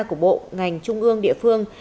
của bộ ngành trung ương địa phương